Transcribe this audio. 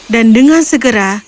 dan dengan segera